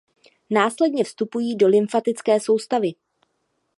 Následně vstupují do lymfatické soustavy.